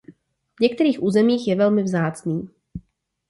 V některých územích je velmi vzácný.